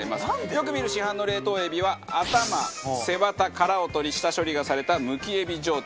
よく見る、市販の冷凍エビは頭、背わた、殻を取り下処理がされた、むきエビ状態。